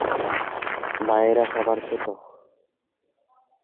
ভাইয়েরা সবার ছোট।